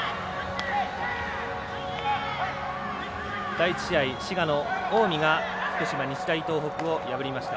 第１試合、滋賀の近江が福島、日大東北を破りました。